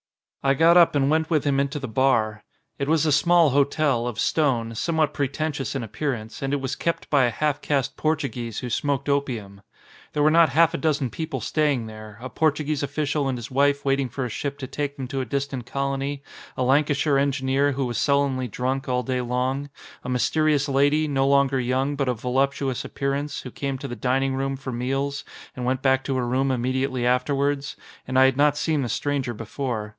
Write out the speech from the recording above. I got up and went with him into the bar. It was a small hotel, of stone, somewhat pretentious in appearance, and it was kept by a half caste Portuguese who smoked opium. There were not half a dozen people staying there, a Portuguese official and his wife waiting for a ship to take them to a distant colony, a Lancashire engineer who was sullenly drunk all day long, a mysterious lady, no longer young but of voluptuous appearance, who came to the dining room for meals and went back to her room immediately afterwards, and I had not seen the stranger before.